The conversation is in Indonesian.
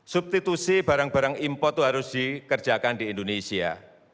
substitusi barang barang impor itu harus dikerjakan di indonesia